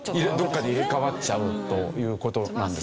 どこかで入れ替わっちゃうという事なんですね。